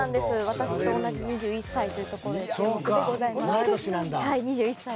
私と同じ２１歳というところも同じでございます。